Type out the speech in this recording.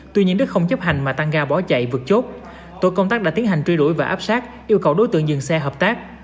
tuy nhiên đức không chấp hành mà tăng ga bỏ chạy vượt chốt tội công tác đã tiến hành truy đuổi và áp sát yêu cầu đối tượng dừng xe hợp tác